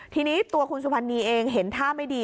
ทีนี้ตัวคุณสุวรรณีเองเห็นท่าไม่ดี